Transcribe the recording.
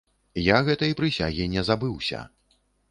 Я гэтай прысягі не забыўся.